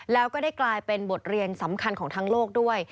แล้วก็ได้กลายเป็นบทเรียนสำคัญของทั้งโลกด้วย